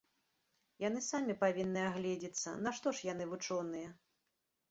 Яны самі павінны агледзіцца, нашто ж яны вучоныя?